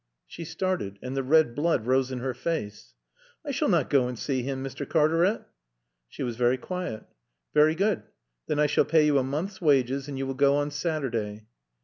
She started and the red blood rose in her face. "I s'all not goa and see him, Mr. Cartaret." She was very quiet. "Very good. Then I shall pay you a month's wages and you will go on Saturday."